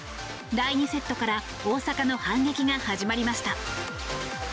第２セットから大坂の反撃が始まりました。